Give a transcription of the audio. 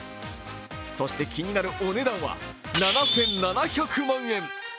そして、気になるお値段は７７００万円。